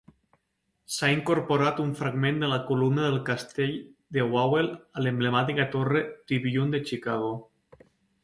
S'ha incorporat un fragment de columna del Castell de Wawel a l'emblemàtica Torre Tribune de Chicago.